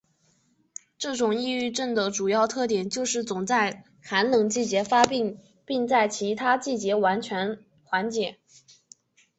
这种抑郁症的主要特点就是总是在寒冷季节发病并在其他季节完全缓解。